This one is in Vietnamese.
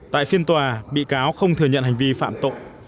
tại phiên tòa bị cáo không thừa nhận hành vi phạm tội